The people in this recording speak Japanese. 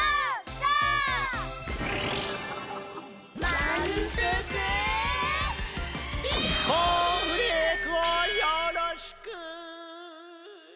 コーンフレークをよろしく。